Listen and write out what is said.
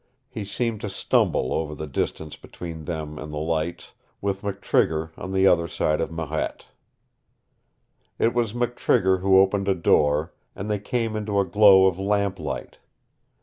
He seemed to stumble over the distance between them and the lights, with McTrigger on the other side of Marette. It was McTrigger who opened a door, and they came into a glow of lamplight.